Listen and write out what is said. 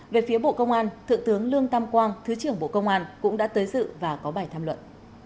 về phía bộ công an thượng tướng lương tam quang thứ trưởng bộ công an cũng đã tới dự và có bài tham luận